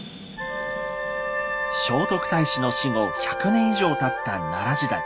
聖徳太子の死後１００年以上たった奈良時代。